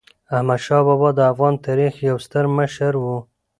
احمدشاه بابا د افغان تاریخ یو ستر مشر و.